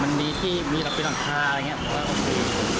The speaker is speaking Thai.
มันมีละเปียนอ่อนคาอะไรอย่างงี้